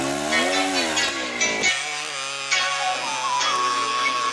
广地村是日本统治下的桦太厅真冈郡的已不存在的一村。